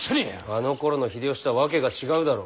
あのころの秀吉とは訳が違うだろう。